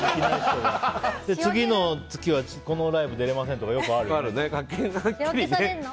次の月はこのライブ出れませんとかよくあるよね。